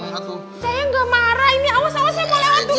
saya gak marah ini awas awas saya mau lewat dulu